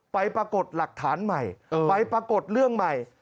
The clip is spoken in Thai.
ปรากฏหลักฐานใหม่ไปปรากฏเรื่องใหม่